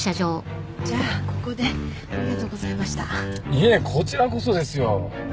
いえこちらこそですよ。